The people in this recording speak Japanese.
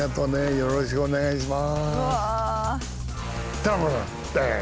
よろしくお願いします！